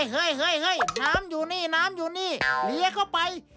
เฮ่ยน้ำอยู่นี่เหลียเข้าไป